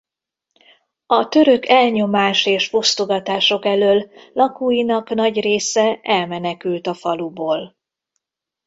A török elnyomás és fosztogatások elől lakóinak nagy része elmenekült a faluból.